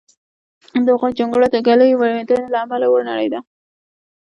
د هغوی جونګړه د ږلۍ وریدېنې له امله ونړېده